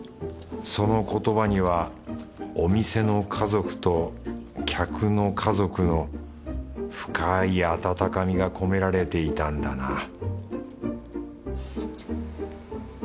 その言葉にはお店の家族と客の家族の深い温かみが込められていたんだな